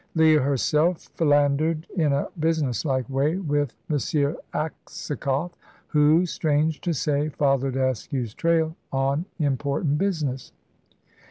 Leah herself philandered in a business like way with M. Aksakoff, who, strange to say, followed Askew's trail on important business.